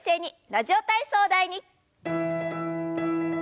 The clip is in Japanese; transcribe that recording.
「ラジオ体操第２」。